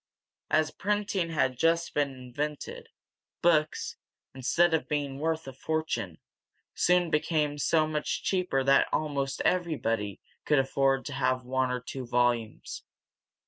As printing had just been invented, books, instead of being worth a fortune, soon became so much cheaper that almost everybody could afford to have one or two volumes.